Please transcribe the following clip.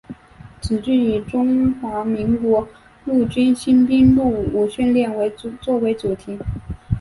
此剧以中华民国陆军新兵入伍训练作为主题。